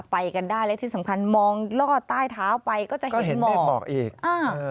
ไปกันได้และที่สำคัญมองลอดใต้ท้าไปก็จะเห็นเหมาะ